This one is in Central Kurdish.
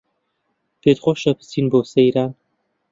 پێتخۆشە بچین بۆ سەیران